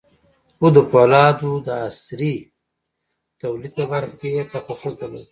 خو د پولادو د عصري توليد په برخه کې يې تخصص درلود.